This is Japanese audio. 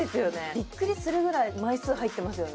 ビックリするぐらい枚数入ってますよね